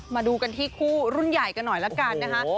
มาดูกันที่คู่รุ่นใหญ่กันหน่อยละกันนะคะ